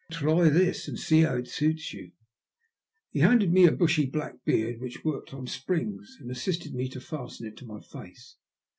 Try this and see how it suits you." He handed me a bushy black beard, which worked on springs, and assisted me to fasten it to my face.